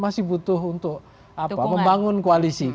masih butuh untuk membangun koalisi